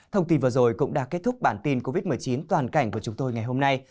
thông tin vừa rồi cũng đã kết thúc bản tin covid một mươi chín toàn cảnh của chúng tôi ngày hôm nay